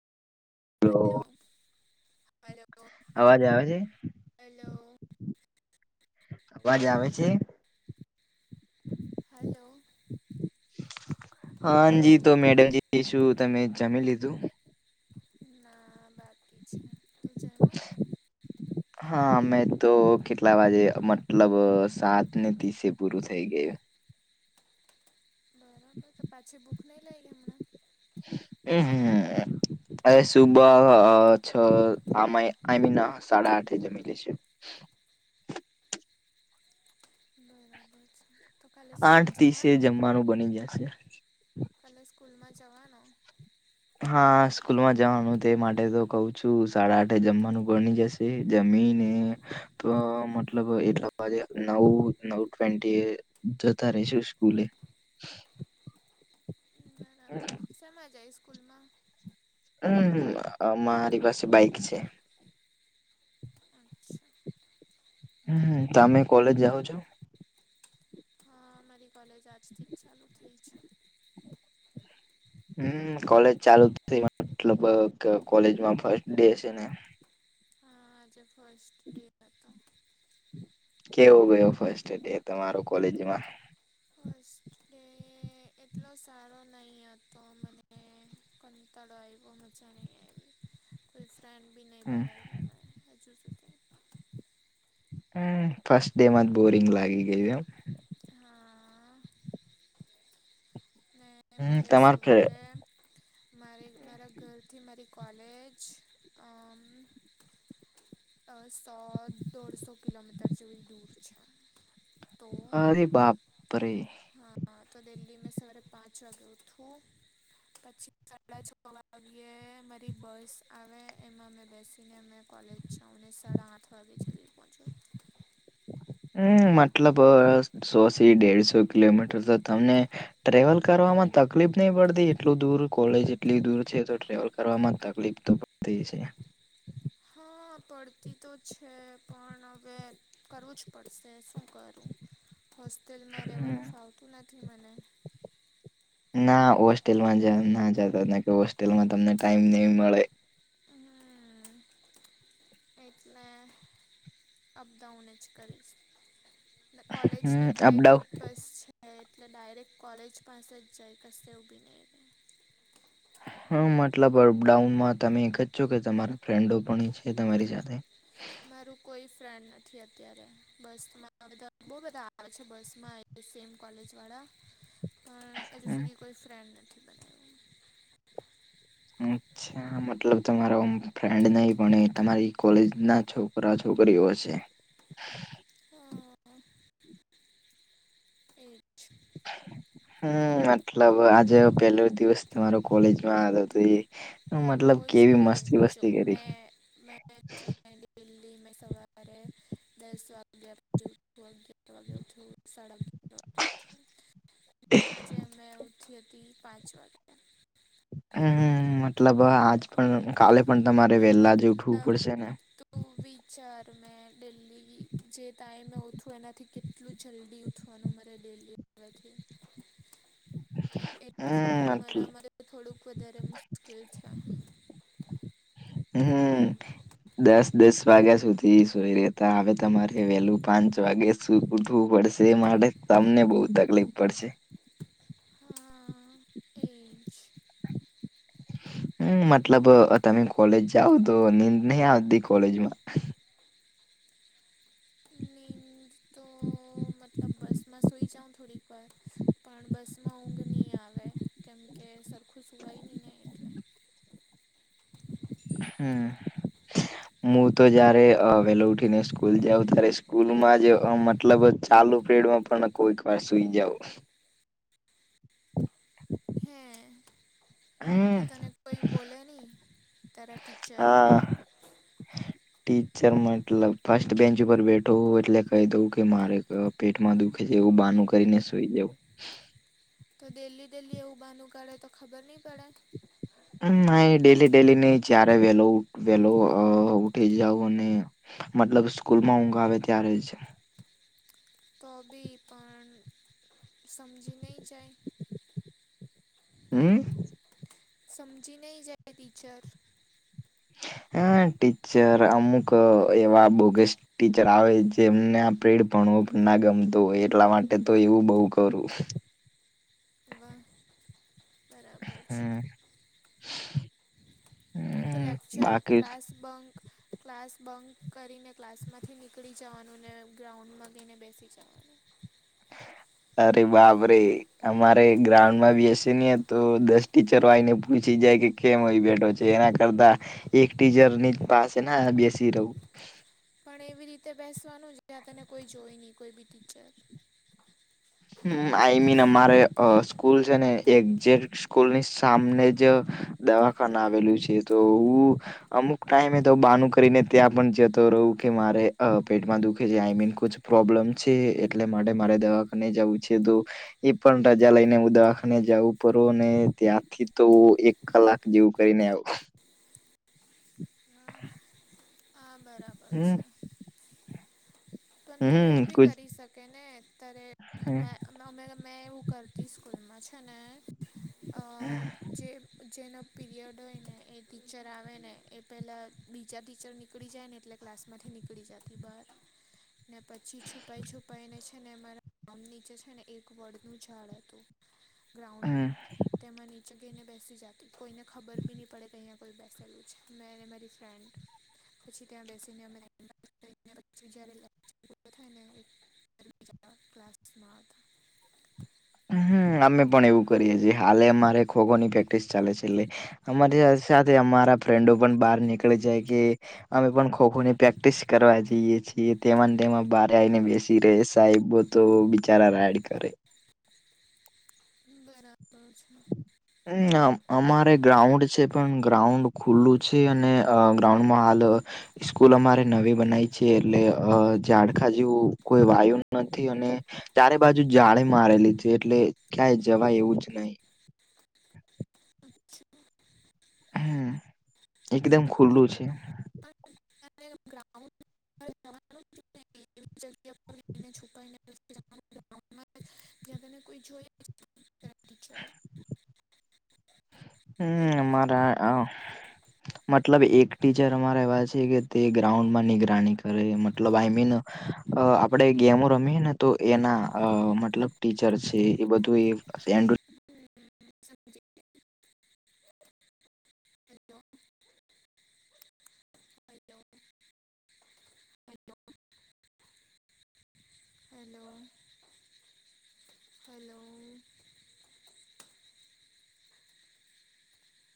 Hello, hello અવાજ આવે છે? હલો. અવાજ આવે છે? હલો. હાંજી હલો તો મેડમજી શું તમે જમી લીધું? ના બાકી છે તું જ [inaudible] હા અમે તો કેટલા વાજે મતલબ સાત ને ત્રીસે પૂરું થઈ ગયું. બરાબર તો પાછી ભૂખ નઈ લાઈગે હમણાં? અ હમ્મ અ અરે સુબ હ છ આમાં આઈ મીન સાડા આઠે જમી લઈશું. [inaudible] બરાબર છે તો કાલે સ્કૂલ જવાનો? હારું બની જશે. કાલે સ્કૂલમાં જવાનો? હા, સ્કૂલમાં જવાનું તે માટે તો કઉ છું સાડા આઠે જમવાનું બની જશે. [unintelligible] જમીને તો મતલબ એટલા વાજે નવુ નવુ ટ્વેન્ટી એ જતા રહીશું સ્કૂલે. બરાબર. શેમાં જાય સ્કૂલ માં? હમ્મ અ મારી પાસે બાઈક છે. અચ્છા. હમ્મ તમે કોલેજ જાઓ છો? હા અમારી કોલેજ આજથી જ ચાલુ થઈ છે. હમ્મ, કોલેજ ચાલુ થઈ મતલબ કોલેજમાં ફસ્ટ ડે હશે ને? હા, આજે ફસ્ટ ડે હતો. કેવો ગયો ફસ્ટ ડે તમારો કોલેજમાં? ફસ્ટ ડે એટલો સારો નહિ હતો મને કંટાળો આઈવો મજા નહિ આઈવી. કોઈ ફ્રેન્ડ બી નહી બનાઈવો હજું સુધી હમ્મ, ફસ્ટ ડે માં જ બોરિંગ લાગી ગયુ એમ? હા આ આ. ને એમ હમ મારે તમાર સવારે મારે મારા ઘરથી મારી કોલેજ અમ અ સો, દોઢ સો કિલોમીટર જેવી દૂર છે. તો અરે બાપરે હા હા તો ડેલી મેં સવારે પાંચ વાગે ઉઠું પછી સાડા છ વાગ્યે મારી બસ આવે એમાં મેં બેસીને અમે કોલેજ જાવ ને સાડા આઠ વાગે છેલ્લે પહોંચું. હમ્મ, મતલબ સો થી ડેઢસો કિલોમીટર તો તમને ટ્રેવલ કરવામાં તકલીફ નહી પડતી? એટલું દૂર કોલેજ એટલી દૂર છે તો ટ્રેવલ કરવામાં તકલીફ તો પડતી છે. હા, પડતી તો છે પણ હવે કરવું જ પડશે શું કરું. [inaudible] હોસ્ટેલમાં હમ રહેવાનું ફાવતું નથી મને. ના હોસ્ટેલમાં જેમ ના જાતા નકે હોસ્ટેલમાં તમને ટાઈમ નહી મળે. હમ્મમ એટલે અપડાઉન જ કરીશ. હમ કોલેજની અપડાઉન પ્રાઈવેટ બસ છે. એટલે ડાયરેક્ટ કોલેજ પાસે જ જાય કસે ઊભી નહી રે. હા મતલબ અપડાઉનમાં તમે એક જ છો. કે તમારા ફ્રેન્ડો પણ છે. તમારી સાથે મારું કોઈ ફ્રેન્ડ નથી અત્યારે બસમાં બધા [unintelligible] બોવ બધા આવે છે બસમાં. સેમ કોલેજવાળા પણ હજુ હમ, સુધી કોઈ ફ્રેન્ડ નથી. બનાવ્યું અછ [inaudible] મતલબ તમારા ફ્રેન્ડ નહી. પણ એ તમારી કોલેજ ના છોકરા છોકરીઓ હશે. [inaudible] હા [unintelligible] એ જ [inaudible] હમ મતલબ આજે પેલો દિવસ તમારો કોલેજ માં હતો. એ બો મતલબ જ કેવી બોરિંગ મસ્તી જો વસ્તી કરી મે મે [unintelligible] દિલ્હી મે સવારે. દસ વાગ્યા પછી ઊઠવું [unintelligible] અગિયાર વાગ્યા ઊઠવું સાડા આજે [unintelligible] મે ઉઠી હતી પાંચ વાગ્યે હમ મતલબ આજ પણ કાલે પણ તમારે વહેલા જે ઉઠવું મતલબ પડશે ને. તું વિચાર મે દેલ્હી જે તઇ મે ઉઠું એનાથી. એટલું જલ્દી ઉઠવાનું મારે ડેલ્લી ઉઠાય તેવી. એટલે હમ એટલે મારા માટે થોડુંક વધારે મુશ્કેલ છે. હમ દસ દસ વાગ્યા સુધી. ઇ સોઈ રેતા આવે તમારે વહેલું પાંચ વાગે શું ઉઠવું પડશે. એ માટે તમને બહુ તકલીફ પડશે. હા એ જ. હમ મતલબ તમે કોલેજ જાઓ તો નીંદ નહી આવતી કોલેજમાં. નીંદ તો મતલબ બસમાં સોઈ જાઉં. થોડીક વાર પણ બસમાં ઊંઘ નહીં આવે. કેમકે સરખું સુવાય નહીં. ને એટલે હમ, મુ તો જયારે વહેલો ઉઠી ને સ્કૂલ જાઉં. ત્યારે સ્કૂલમાં જ મતલબ ચાલુ પેડમાં પણ કોઈક વાર સુઈ જાવ. હે, તો હમ તને કોઈ બોલે નહી તારા ટીચર. હા ટીચર મતલબ ફસ્ટ બેન્ચ ઉપર બેઠો હોવ એટલે કહી દઉં કે મારે. હા પેટમાં દુખે છે. એવું બાનું કરીને સુઈ જવું. તો ડેલી ડેલી એવું બહાનુ કાઢે તો ખબર નહી પડે. હમ ના ડેલી ડેલી નઈ જ્યારે વેલો વેલો અ ઉઠી જાઉ અને. મતલબ સ્કૂલમાં ઊંઘ આવે ત્યારે જ. તો બી પણ સમજી નહી જાય. હમ, સમજી નહી જાય ટીચર. હા ટીચર અમુક એવા બોગસ. ટીચર આવે જેમના પ્રેડ ભણવુ ના ગમતો હોય એટલા માટે તો એવું બઉ કરું. વાહ, બરાબર છે. હમ તો હમ લેક્ચર બાકી ક્લાસ બંક, ક્લાસ બંક કરીને ક્લાસ માંથી નીકળી જવાનું. ને ગ્રાઉન્ડ માં ગઈને બેસી જવાનું. અરે બાપ રે. અમારે ગ્રાઉન્ડ માં બેસીયેન, તો દસ ટીચરો આયી ને પૂછી જાય કે કેમ અહીં બેઠો છે? એના કરતા એક ટીચર ની પાસે ના બેસી રવુ? પણ એવી રીતે બેસવાનું જ્યા, તને કોઈ જોઈ નહી કોઈ બી ટીચર. હમ આઈ મીન અમારે અ સ્કૂલ છે ને એકજેક્ટ સ્કુલ ની સામને જ દવાખાના આવેલું છે. તો હું અમુક ટાઈમે તો બાનું કરીને ત્યાં પણ જતો રહું, કે મારે પેટમાં દુખે છે. આઈ મીન પ્રોબ્લેમ છે. એટલે માટે મારે દવાખાને જવું છે તો, એ પણ રજા લઈને હું દવાખાને જવું કરુંને અને ત્યાંથી તો કલાક જેવું કંઈ ને આવું હ આ બરાબર હમ છે. પણ તું હમ એવું બી કુછ કરી શકે ને, તારે હમ મેં અ અમે મેં એવું કરતી સ્કૂલમાં. છે ને અ જે જેનો પીરિયડ હોય ને એ ટીચર આવે ને, એ પેલા બીજા ટીચર નીકળી જાય ને એટલે ક્લાસમાંથી નીકળી જાતી બહાર. ને પછી છુપાઈ-છુપાઈને છે ને મારા આમ નીચે છે ને એક વડનુ ઝાડ હતું. હમ ગ્રાઉન્ડમાં તેમાં નીચે ગઈને બેસી જાતી. કોઈને ખબર બી નહીં પડે કે અઈંયા કોઈ બેસેલું છે. મે ને મારી ફ્રેન્ડ પછી ત્યાં બેસીને અમે [unintelligible] [inaudible] ક્લાસમાં હતા અમે પણ એવું કરીએ છીએ. હાલે અમારે ખોખોની પ્રેક્ટિસ ચાલે છે. એટલે અમારી આ સાથે અમારા ફ્રેન્ડો પણ બહાર નીકળી જાય કે અમે પણ ખો-ખો ની પ્રેક્ટિસ કરવા જઈએ છીએ. ઈ તેમાંને તેમાં બારે આવીને બેસી રહેે. સાહેબો તો બિચારા રાડ કરે બરાબર છે. હમ અમારે ગ્રાઉન્ડ છે. પણ ગ્રાઉન્ડ ખુલ્લું છે. તે અને અ ગ્રાઉન્ડમાં હાલ સ્કૂલ અમારે નવી બનાઇ છે. એટલે અ ઝાડખા જેવું કોઈ વાયુ નથી અને ચારે બાજુ જાળી મારેલી છે. એટલે ક્યાંય જવાય એવું જ નહીં. છે હમ્મ. એકદમ ખુલ્લું છે. પણ તારે ગ્રાઉન્ડ પર જવાનું [inaudible] [unintelligible] જ્યાં તને કોઈ જોઈ જ ની શકે તારા ટીચર હમ્મ, એવું મારા આમ મતલબ એક ટીચર અમારા એવા છે, કે તે ગ્રાઉન્ડમાં નિગરાની કરે. મતલબ આઈ મીન અ આપડે ગેમો રમીએ ને, તો એના અ મતલબ ટીચર છે. એ બધું એ ધ્યાન [unintelligible] હેલો હલો. Hello hello